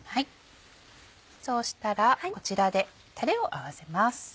そうしたらこちらでたれを合わせます。